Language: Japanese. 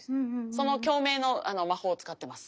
その共鳴の魔法を使ってます。